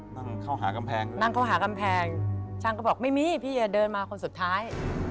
นั่งเข้าหากำแพงนั่งเข้าหากำแพงช่างก็บอกไม่มีพี่เดินมาคนสุดท้าย